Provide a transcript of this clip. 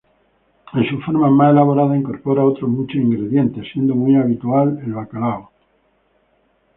En sus formas más elaboradas incorpora otros muchos ingredientes, siendo muy habitual el bacalao.